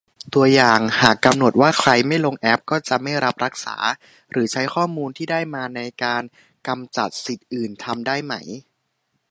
ตัวอย่าง : หากกำหนดว่าใครไม่ลงแอปก็จะไม่รับรักษา หรือใช้ข้อมูลที่ได้มาในการกำจัดสิทธิ์อื่น ทำได้ไหม ?